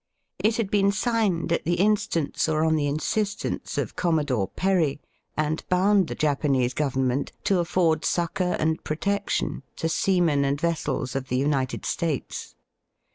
It had been signed at the instance or on the insistence Digitized by VjOOQIC 20 EAST BY WEST, of Commodore Peny, and bomid the Japanese Government to aflford succour and protection to seamen and vessels of the United States.